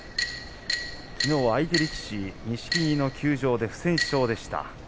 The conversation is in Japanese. きのうは相手力士、錦木の休場で不戦勝でした。